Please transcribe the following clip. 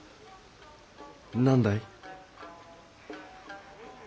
何だい？